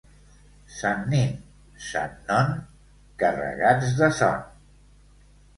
Sant Nin, sant Non, carregats de son!...